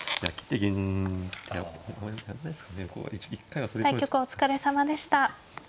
対局お疲れさまでした。